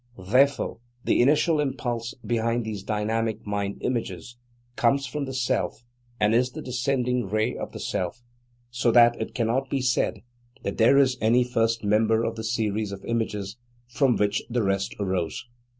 Therefore the initial impulse behind these dynamic mind images comes from the Self and is the descending ray of the Self; so that it cannot be said that there is any first member of the series of images, from which the rest arose.